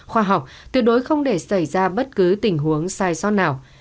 khoa học tuyệt đối không để xảy ra bất cứ tình huống sai sót nào